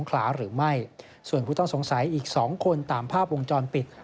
คะหลัวห้องภาพวงจลปิด